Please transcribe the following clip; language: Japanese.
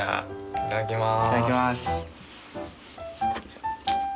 いただきます。